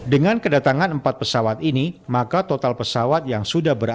dengan kedatangan empat pesawat ini maka total pesawat yang sudah berhasil